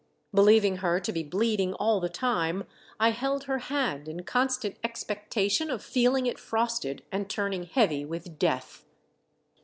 Believing her to be bleeding all the time, I held her hand, in constant expectation of feeling it frosted and turning heavy with death.